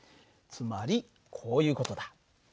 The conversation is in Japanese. つまりこういう事だ。